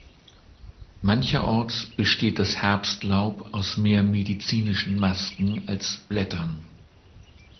Mancherorts besteht das Herbstlaub aus mehr medizinischen Masken als Blättern.